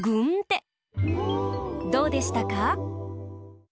どうでしたか？